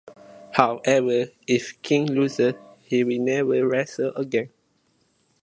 However, if King loses, he will never wrestle again.